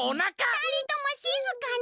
ふたりともしずかに！